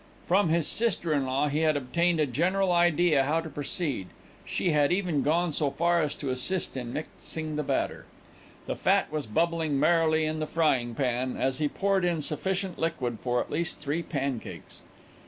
From his sister in law he had obtained a general idea of how to proceed. She had even gone so far as to assist in mixing the batter. The fat was bubbling merrily in the frying pan as he poured in sufficient liquid for at least three pancakes.